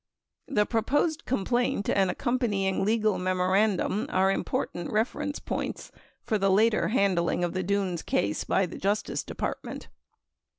The proposed complaint and accompanying legal memorandum are important reference points for the later handling of the Dunes case by the Justice Department.